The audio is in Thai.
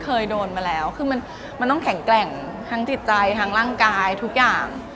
เคยโดนมาแล้วคือมันต้องแข็งแกร่งทั้งจิตใจทั้งร่างกายทุกอย่าง